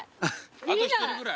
あと１人ぐらい？